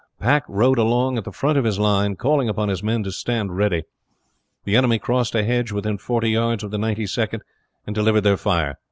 Pack rode along at the front of his line calling upon his men to stand steady. The enemy crossed a hedge within forty yards of the Ninety second, and delivered their fire.